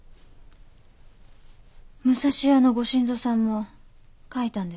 武蔵屋のご新造さんも描いたんですって？